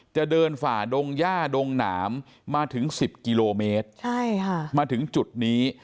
จะเดินฝ่าดงย่าดงหนามมาถึง๑๐กิโลเมตรมาถึงจุดนี้